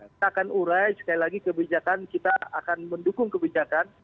kita akan urai sekali lagi kebijakan kita akan mendukung kebijakan